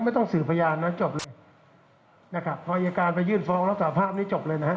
ต้องสื่อพยานนะจบเลยนะครับพออายการไปยื่นฟ้องรับสาภาพนี้จบเลยนะฮะ